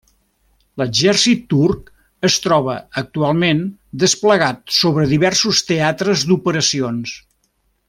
L'exèrcit turc es troba actualment desplegat sobre diversos teatres d'operacions.